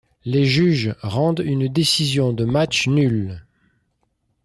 Les juges rendent une décision de match nul.